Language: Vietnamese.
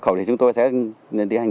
sáu khẩu thì chúng tôi sẽ tiến hành